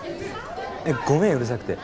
ごめんうるさくて。